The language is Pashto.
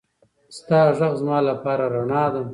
ستا غږ زما لپاره رڼا ده.